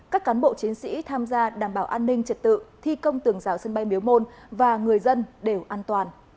các cán bộ chiến sĩ tham gia đảm bảo an ninh trật tự thi công tường rào sân bay miếu môn và người dân đều an toàn